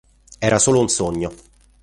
Era solo un sogno.